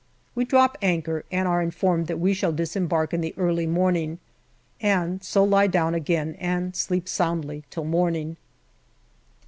We drop anchor and are informed that we shall dis embark in the early morning, and so lie down again and sleep soundly till morning.